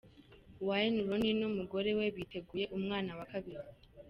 Wayne Rooney n'umugore we biteguye umwana wa kabiri.